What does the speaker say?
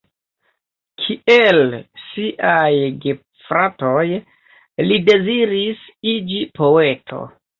Kiel siaj gefratoj, li deziris iĝi poeto.